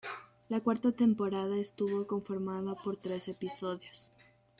La cuarta temporada estuvo conformada por tres episodios.